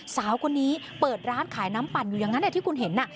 สาวคนนี้เปิดร้านขายน้ำปั่นอยู่อย่างนั้นที่คุณเห็น